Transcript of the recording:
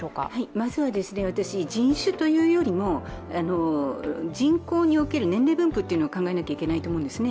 まずは人種というよりも、人口における年齢分布を考えなければいけないと思うんですね。